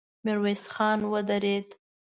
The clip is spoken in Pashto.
ميرويس خان ودرېد.